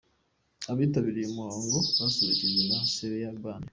Abitabiriye uyu muhango basusurukijwe na Sebeya band,.